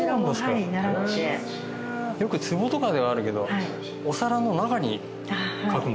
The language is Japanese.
よくつぼとかではあるけどお皿の中に描く。